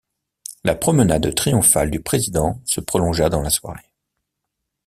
La promenade triomphale du président se prolongea dans la soirée.